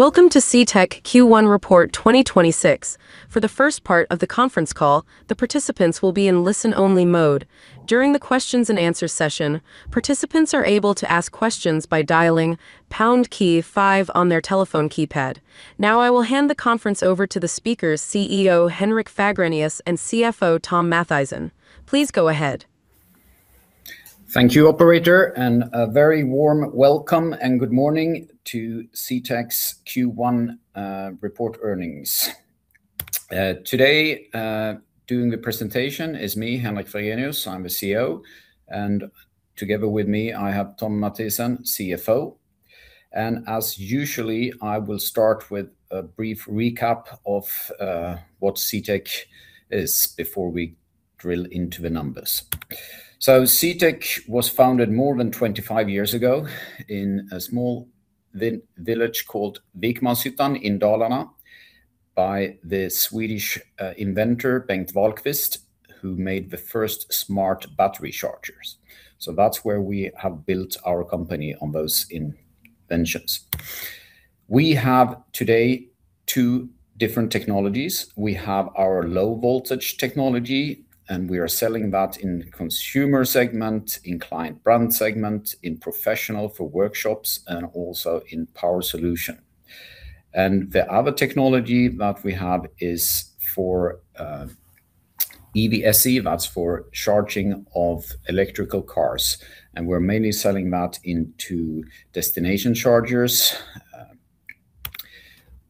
Welcome to CTEK Q1 Report 2026. For the first part of the conference call, the participants will be in only listen mode. During the Q&A session the participants are be able to ask questions by dialing pound key five on their telephone keypad. Now, I will hand the conference over to the speakers, CEO Henrik Fagrenius and CFO Thom Mathisen. Please go ahead. Thank you, operator, and a very warm welcome and good morning to CTEK's Q1 report earnings. Today, doing the presentation is me, Henrik Fagrenius. I'm the CEO, and together with me I have Thom Mathisen, CFO. As usually, I will start with a brief recap of what CTEK is before we drill into the numbers. CTEK was founded more than 25 years ago in a small village called Vikmanshyttan in Dalarna by the Swedish inventor Bengt Wahlqvist, who made the first smart battery chargers. That's where we have built our company on those inventions. We have today two different technologies. We have our low voltage technology, and we are selling that in consumer segment, in client brand segment, in Professional for workshops, and also in power solution. The other technology that we have is for EVSE. That's for charging of electrical cars, and we're mainly selling that into destination chargers.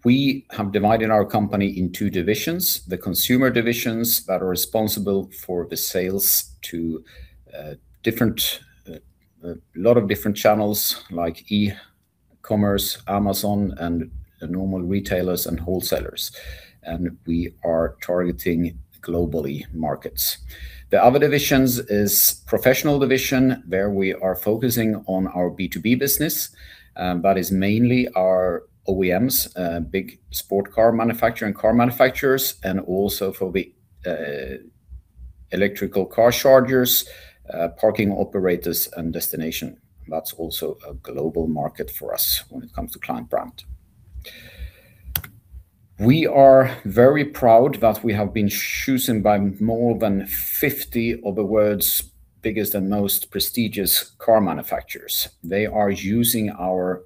We have divided our company into two divisions, the Consumer divisions that are responsible for the sales to lot of different channels like e-commerce, Amazon, and normal retailers and wholesalers, and we are targeting globally markets. The other divisions is Professional division, where we are focusing on our B2B business, that is mainly our OEMs, big sport car manufacturer and car manufacturers and also for the electrical car chargers, parking operators and destination. That's also a global market for us when it comes to client brand. We are very proud that we have been chosen by more than 50 of the world's biggest and most prestigious car manufacturers. They are using our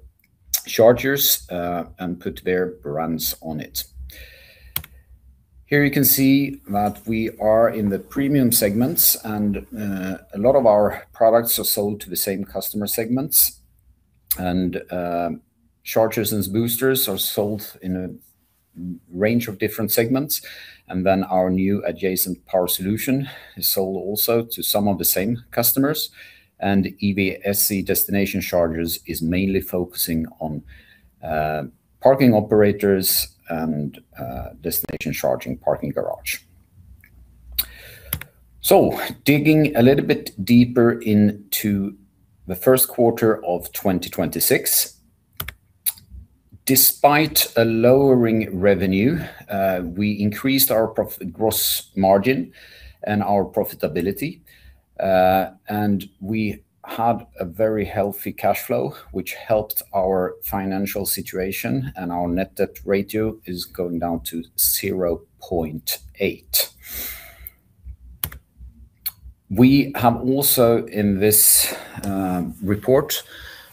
chargers and put their brands on it. Here you can see that we are in the premium segments and a lot of our products are sold to the same customer segments. Chargers and boosters are sold in a range of different segments. Our new adjacent power solution is sold also to some of the same customers, and EVSE destination chargers is mainly focusing on parking operators and destination charging parking garage. Digging a little bit deeper into the first quarter of 2026. Despite a lowering revenue, we increased our gross margin and our profitability, and we had a very healthy cash flow, which helped our financial situation and our net debt ratio is going down to 0.8. We have also in this report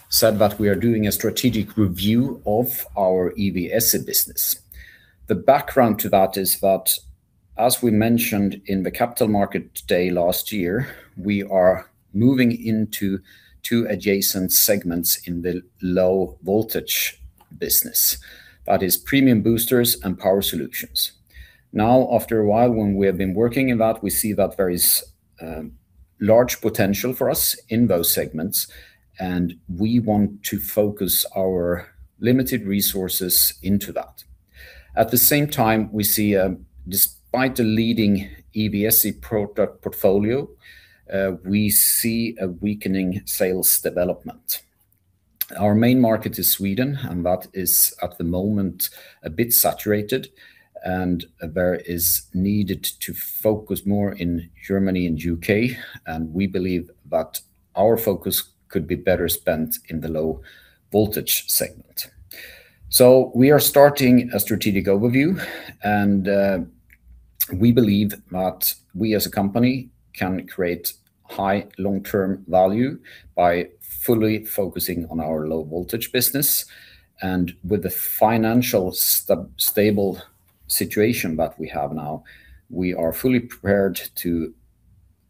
said that we are doing a strategic review of our EVSE business. The background to that is that, as we mentioned in the Capital Market Day last year, we are moving into two adjacent segments in the low voltage business, that is premium boosters and power solutions. Now, after a while when we have been working in that, we see that there is large potential for us in those segments, and we want to focus our limited resources into that. At the same time, we see despite the leading EVSE product portfolio, we see a weakening sales development. Our main market is Sweden, that is at the moment a bit saturated, there is needed to focus more in Germany and U.K., we believe that our focus could be better spent in the low voltage segment. We are starting a strategic overview and we believe that we as a company can create high long-term value by fully focusing on our low voltage business. With the financial stable situation that we have now, we are fully prepared to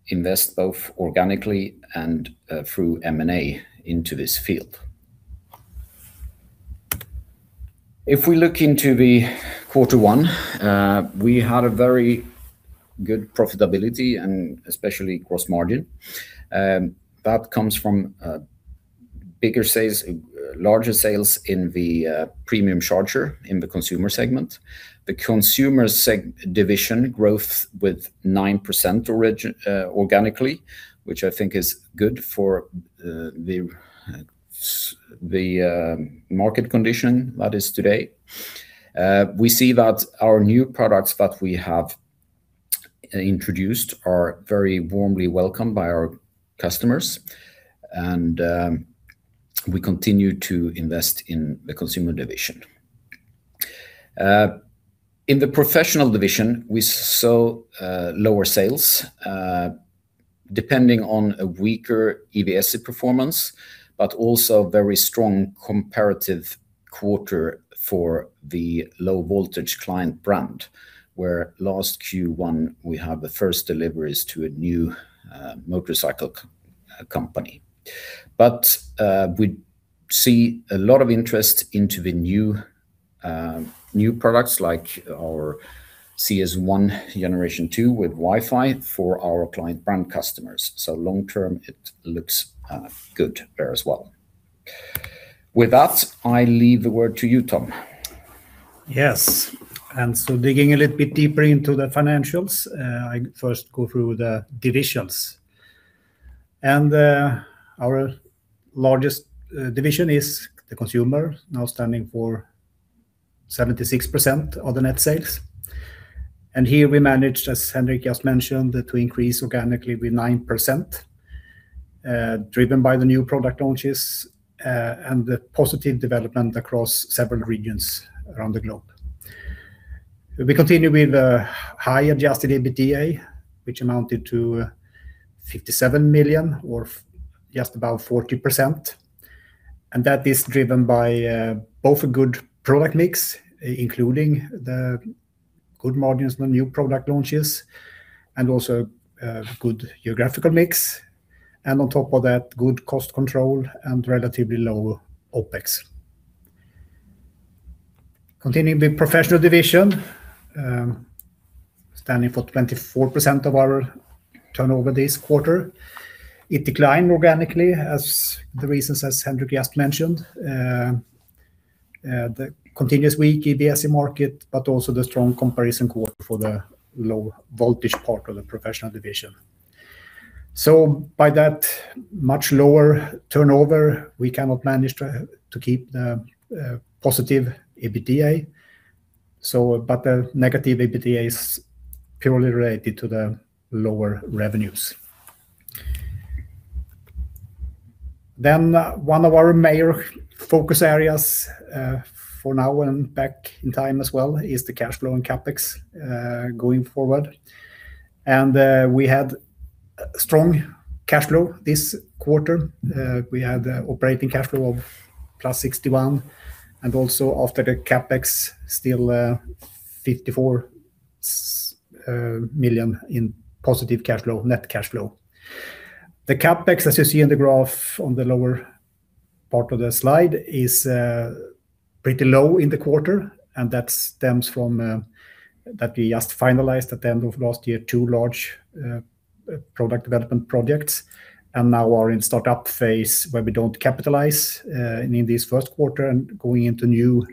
invest both organically and through M&A into this field. If we look into the quarter one, we had a very good profitability and especially gross margin that comes from bigger sales, larger sales in the premium charger in the consumer segment. The consumer division growth with 9% organically, which I think is good for the market condition that is today. We see that our new products that we have introduced are very warmly welcomed by our customers, and we continue to invest in the consumer division. In the Professional division, we saw lower sales depending on a weaker EVSE performance, but also very strong comparative quarter for the low voltage client brand, where last Q1 we had the first deliveries to a new motorcycle company. We see a lot of interest into the new new products like our CS ONE Gen 2 with Wi-Fi for our client brand customers. Long term it looks good there as well. With that, I leave the word to you, Thom. Yes. Digging a little bit deeper into the financials, I first go through the divisions. Our largest division is the consumer, now standing for 76% of the net sales. Here we managed, as Henrik just mentioned, to increase organically with 9%, driven by the new product launches, and the positive development across several regions around the globe. We continue with a high adjusted EBITDA, which amounted to 57 million or just about 40%. That is driven by both a good product mix, including the good margins on the new product launches, and also good geographical mix. On top of that, good cost control and relatively low OPEX. Continuing with Professional division, standing for 24% of our turnover this quarter. It declined organically as the reasons as Henrik just mentioned. The continuous weak EVSE market, but also the strong comparison quarter for the low voltage part of the Professional division. By that much lower turnover, we cannot manage to keep the positive EBITDA. The negative EBITDA is purely related to the lower revenues. One of our major focus areas, for now and back in time as well, is the cash flow and CapEx going forward. We had strong cash flow this quarter. We had operating cash flow of plus 61, and also after the CapEx, still, 54 million in positive cash flow, net cash flow. The CapEx, as you see in the graph on the lower part of the slide, is pretty low in the quarter, and that stems from that we just finalized at the end of last year two large product development projects and now are in startup phase where we don't capitalize in this Q1 and going into new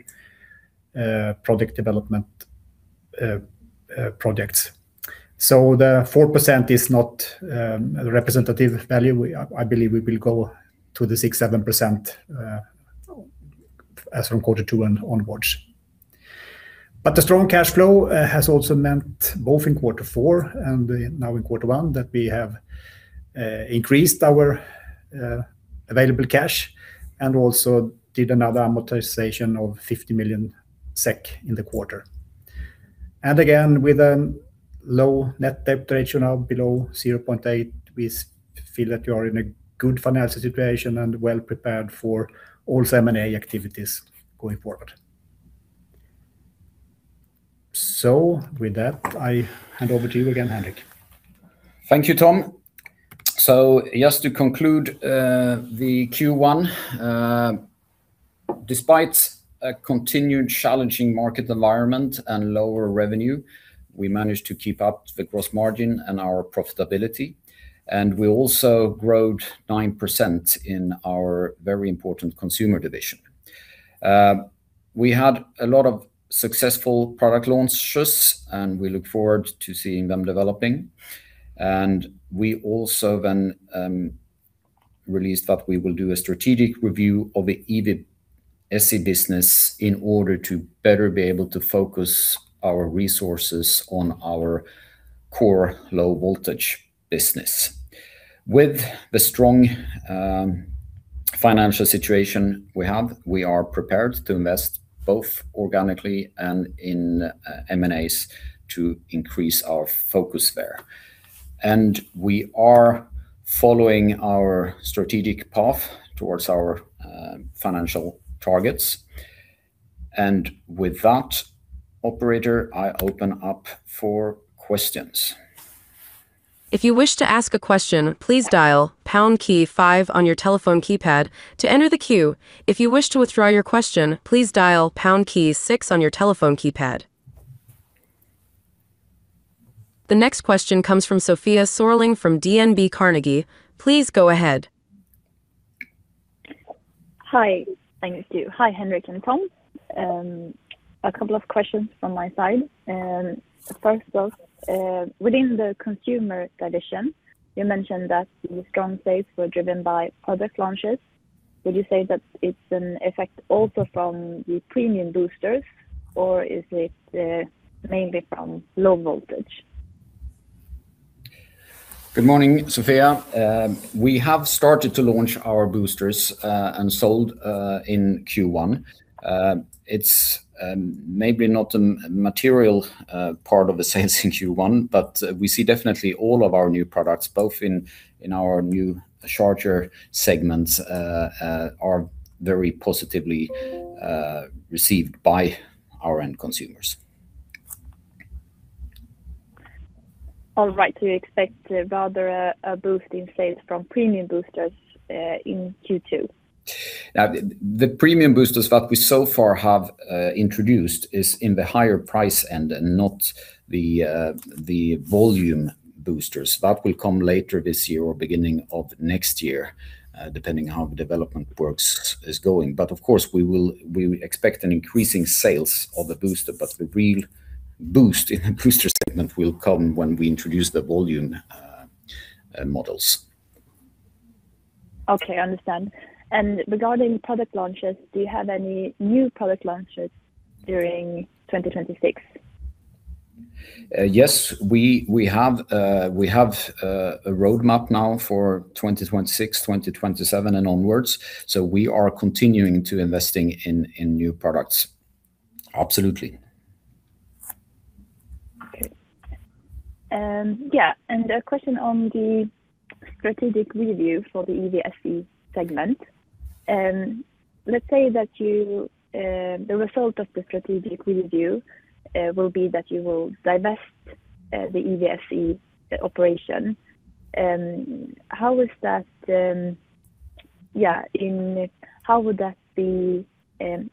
product development projects. The 4% is not a representative value. I believe we will go to the 6%-7% as from Q2 and onwards. The strong cash flow has also meant both in Q4 and now in Q1, that we have increased our available cash and also did another amortization of 50 million SEK in the quarter. Again, with a low net debt ratio now below 0.8, we feel that we are in a good financial situation and well prepared for all M&A activities going forward. With that, I hand over to you again, Henrik. Thank you, Thom. Just to conclude, the Q1, despite a continued challenging market environment and lower revenue, we managed to keep up the gross margin and our profitability, and we also growed 9% in our very important consumer division. We had a lot of successful product launches, and we look forward to seeing them developing. We also then released that we will do a strategic review of the EVSE business in order to better be able to focus our resources on our core low voltage business. With the strong financial situation we have, we are prepared to invest both organically and in M&As to increase our focus there. We are following our strategic path towards our financial targets. With that, operator, I open up for questions. If you wish to ask a question, please dial pound key five on your telephone keypad to enter the queue. If you wish to withdraw, please dial pound key six on your telephone keypad .The next question comes from Sofia Sörling from DNB Carnegie. Please go ahead. Hi. Thank you. Hi, Henrik and Thom. A couple of questions from my side. Within the consumer division, you mentioned that the strong sales were driven by product launches. Would you say that it's an effect also from the premium boosters or is it mainly from low voltage? Good morning, Sofia. We have started to launch our boosters and sold in Q1. It's maybe not a material part of the sales in Q1, but we see definitely all of our new products both in our new charger segments are very positively received by our end consumers. All right. Do you expect rather a boost in sales from premium boosters in Q2? The premium boosters that we so far have introduced is in the higher price end and not the volume boosters. That will come later this year or beginning of next year, depending how the development is going. Of course we expect an increasing sales of the booster, but the real boost in the booster segment will come when we introduce the volume models. Okay, understand. Regarding product launches, do you have any new product launches during 2026? Yes. We have a roadmap now for 2026, 2027 and onwards, so we are continuing to investing in new products. Absolutely. Okay. Yeah, a question on the strategic review for the EVSE segment. Let's say that the result of the strategic review will be that you will divest the EVSE operation. How is that, yeah, how would that be,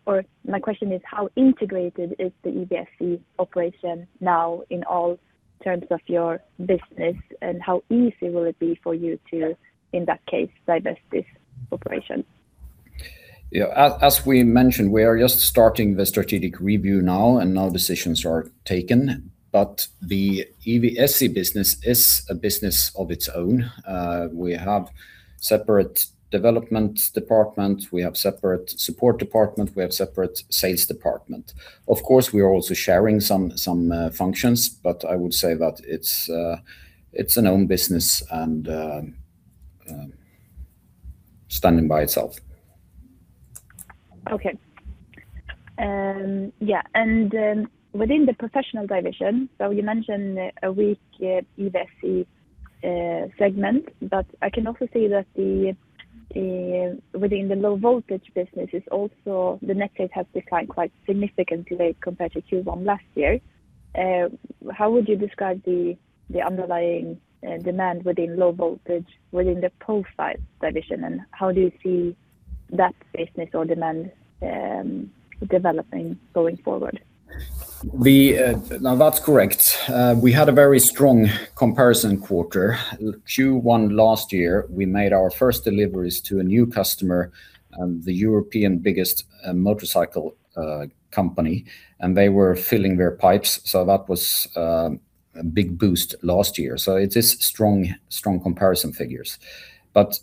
or my question is how integrated is the EVSE operation now in all terms of your business, and how easy will it be for you to, in that case, divest this operation? Yeah, as we mentioned, we are just starting the strategic review now. No decisions are taken. The EVSE business is a business of its own. We have separate development department, we have separate support department, we have separate sales department. Of course, we are also sharing some functions, but I would say that it's an own business and standing by itself. Okay. Yeah, and within the Professional division, so you mentioned a weak EVSE segment, but I can also see that the within the low voltage business is also the net sales has declined quite significantly compared to Q1 last year. How would you describe the underlying demand within low voltage within the Professional division, and how do you see that business or demand developing going forward? Now that's correct. We had a very strong comparison quarter. Q1 last year, we made our first deliveries to a new customer, the European biggest motorcycle company, and they were filling their pipes, so that was a big boost last year. It is strong comparison figures.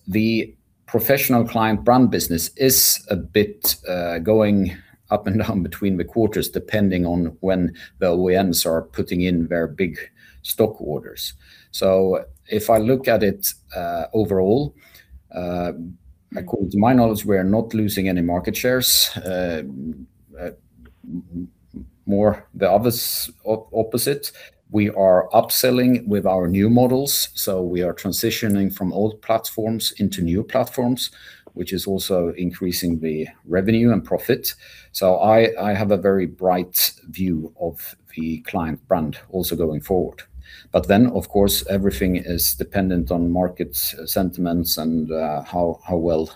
The Professional client brand business is a bit going up and down between the quarters, depending on when the OEMs are putting in their big stock orders. If I look at it overall, according to my knowledge, we are not losing any market shares. More the obvious opposite. We are upselling with our new models, so we are transitioning from old platforms into new platforms, which is also increasing the revenue and profit. I have a very bright view of the Professional client brand also going forward. Of course, everything is dependent on market sentiments and how well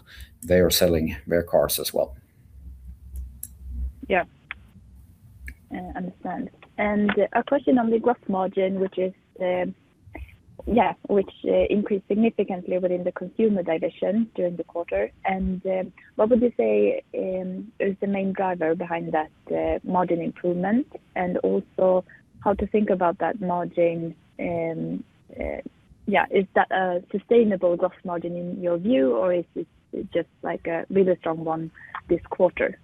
they are selling their cars as well. Understand. A question on the gross margin, which increased significantly within the consumer division during the quarter. What would you say is the main driver behind that margin improvement? Also how to think about that margin, is that a sustainable gross margin in your view, or is it just like a really strong one this quarter?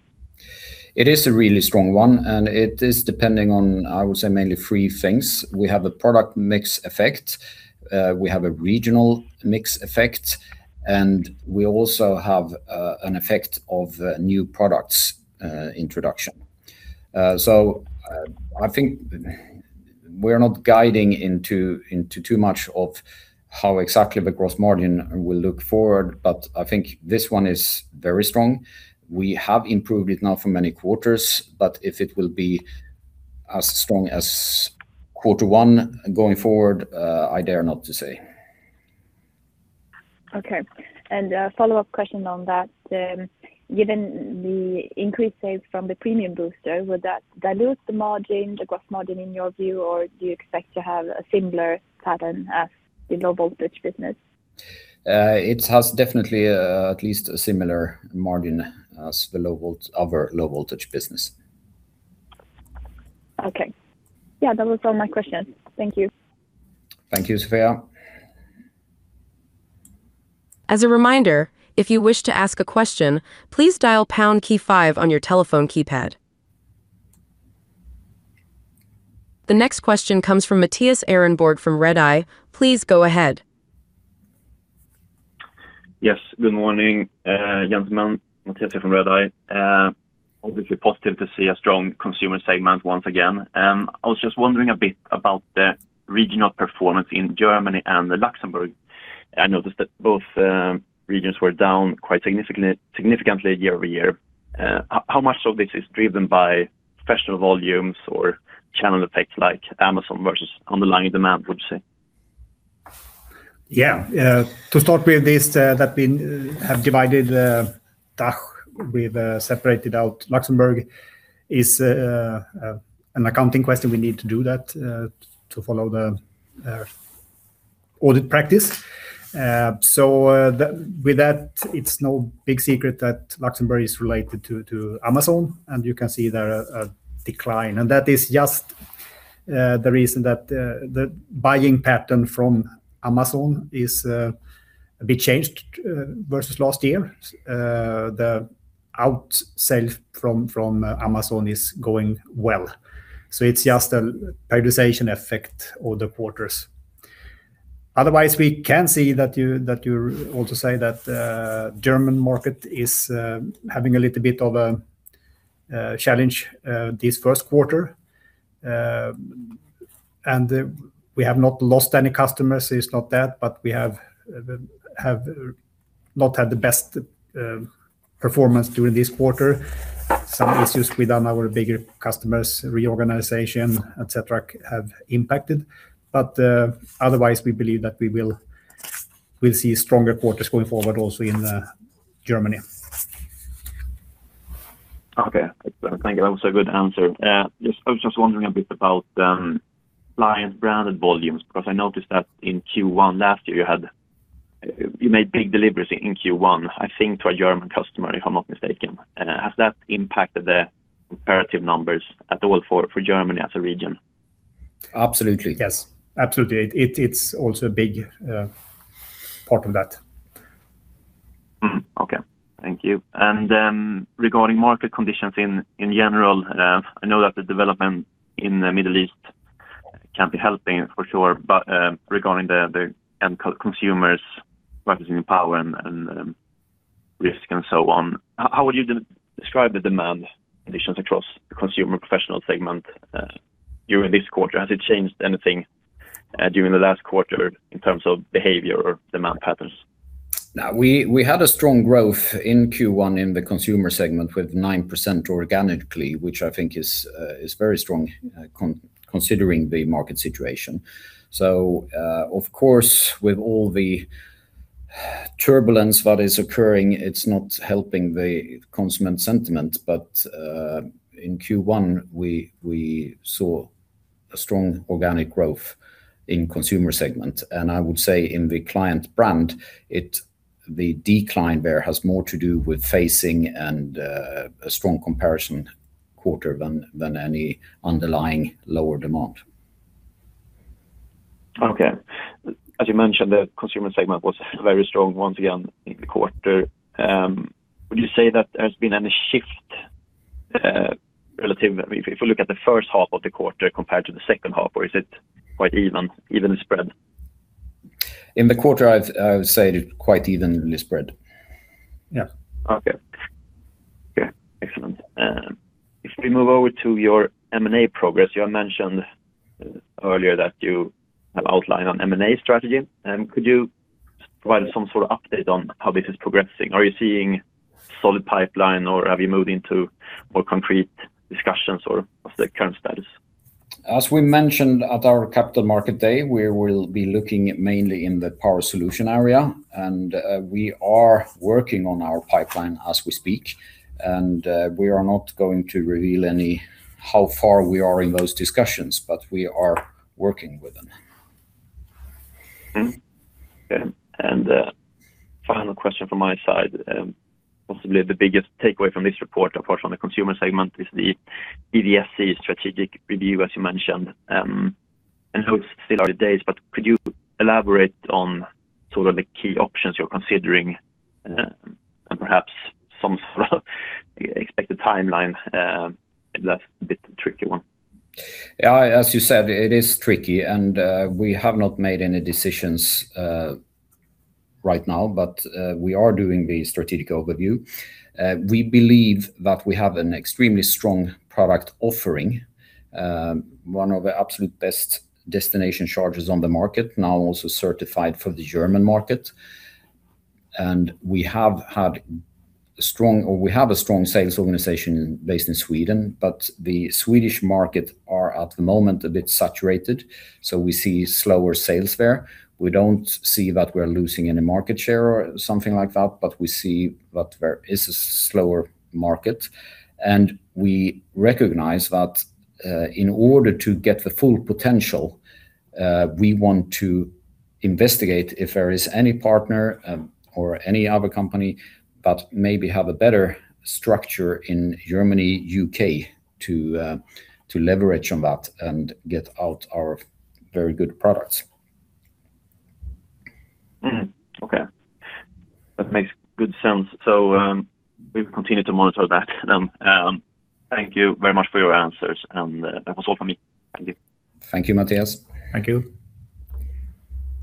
It is a really strong one, and it is depending on, I would say, mainly three things. We have a product mix effect, we have a regional mix effect, and we also have an effect of new products introduction. I think we're not guiding into too much of how exactly the gross margin will look forward, but I think this one is very strong. We have improved it now for many quarters, but if it will be as strong as quarter one going forward, I dare not to say. Okay. A follow-up question on that. Given the increased sales from the premium booster, would that dilute the margin, the gross margin in your view, or do you expect to have a similar pattern as the low voltage business? It has definitely at least a similar margin as our low voltage business. Okay. Yeah, that was all my questions. Thank you. Thank you, Sofia. As a reminder, if you wish to ask a question, please dial pound key five on your telephone keypad. The next question comes from Mattias Ehrenborg from Redeye. Please go ahead. Yes, good morning, gentlemen. Mattias from Redeye. Obviously positive to see a strong consumer segment once again. I was just wondering a bit about the regional performance in Germany and Luxembourg. I noticed that both regions were down quite significantly year-over-year. How much of this is driven by Professional volumes or channel effects like Amazon versus underlying demand would say? Yeah. To start with this, that we have divided DACH with separated out Luxembourg is an accounting question. We need to do that to follow the audit practice. With that, it's no big secret that Luxembourg is related to Amazon, and you can see there a decline. That is just the reason that the buying pattern from Amazon is a bit changed versus last year. The out sale from Amazon is going well. It's just a prioritization effect or the quarters. Otherwise, we can see that you also say that German market is having a little bit of a challenge this first quarter. And we have not lost any customers, it's not that, but we have not had the best performance during this quarter. Some issues with our bigger customers, reorganization, et cetera, have impacted. Otherwise, we believe that we will see stronger quarters going forward also in Germany. Okay. Thank you. That was a good answer. I was just wondering a bit about client branded volumes, because I noticed that in Q1 last year, you made big deliveries in Q1, I think to a German customer, if I'm not mistaken. Has that impacted the comparative numbers at all for Germany as a region? Absolutely, yes. Absolutely. It's also a big part of that. Mm-hmm. Okay. Thank you. Regarding market conditions in general, I know that the development in the Middle East can't be helping for sure, but regarding the end co-consumers purchasing power and risk and so on, how would you describe the demand conditions across the consumer Professional segment during this quarter? Has it changed anything during the last quarter in terms of behavior or demand patterns? Now, we had a strong growth in Q1 in the consumer segment with 9% organically, which I think is very strong, considering the market situation. Of course, with all the turbulence what is occurring, it's not helping the consumer sentiment. In Q1, we saw a strong organic growth in consumer segment. I would say in the client brand, it the decline there has more to do with facing and a strong comparison quarter than any underlying lower demand. Okay. As you mentioned, the consumer segment was very strong once again in the quarter. Would you say that there's been any shift, relative I mean, if you look at the first half of the quarter compared to the second half, or is it quite evenly spread? In the quarter, I would say it is quite evenly spread. Yeah. Okay. Okay. Excellent. If we move over to your M&A progress, you had mentioned earlier that you have outlined on M&A strategy. Could you provide some sort of update on how this is progressing? Are you seeing solid pipeline, or have you moved into more concrete discussions, or what's the current status? As we mentioned at our Capital Market Day, we will be looking mainly in the power solution area, and we are working on our pipeline as we speak. We are not going to reveal any how far we are in those discussions, but we are working with them. Okay. Final question from my side. Possibly the biggest takeaway from this report, of course, on the consumer segment is the EVSE strategic review, as you mentioned. I know it's still early days, but could you elaborate on sort of the key options you're considering, and perhaps some sort of expected timeline? If that's a bit tricky one. As you said, it is tricky, and we have not made any decisions right now, but we are doing the strategic overview. We believe that we have an extremely strong product offering, one of the absolute best destination chargers on the market, now also certified for the German market. We have had strong, or we have a strong sales organization based in Sweden, but the Swedish market are at the moment a bit saturated, so we see slower sales there. We don't see that we're losing any market share or something like that, but we see that there is a slower market. We recognize that, in order to get the full potential, we want to investigate if there is any partner, or any other company that maybe have a better structure in Germany, U.K. to leverage on that and get out our very good products. Okay. That makes good sense. We will continue to monitor that then. Thank you very much for your answers. That was all for me. Thank you. Thank you, Mattias. Thank you.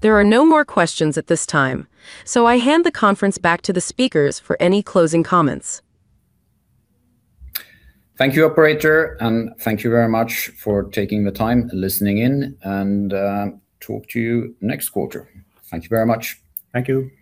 There are no more questions at this time. I hand the conference back to the speakers for any closing comments. Thank you, operator, and thank you very much for taking the time listening in, and talk to you next quarter. Thank you very much. Thank you. Bye.